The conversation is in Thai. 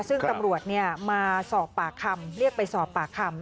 ซึ่งตำรวจมาสอบปากคำเรียกไปสอบปากคำ